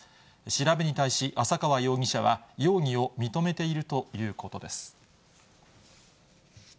調べに対し浅川容疑者は容疑を認めているということです。